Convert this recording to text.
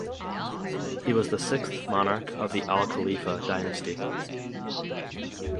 He was the sixth monarch of the Al Khalifa dynasty.